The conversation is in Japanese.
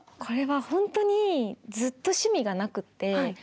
これはほんとにずっと趣味がなくって。